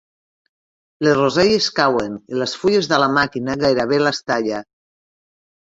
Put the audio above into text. Les roselles cauen i les fulles de la màquina gairebé les talla.